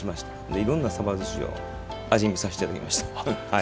いろんなさばずしを味見させていただきました。